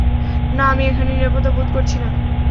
না, আমি এখানে নিরাপত্তা বোধ করছিনা।